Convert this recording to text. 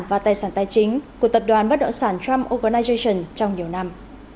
và tài sản tài chính của tập đoàn bất động sản trump organization trong nhiều năm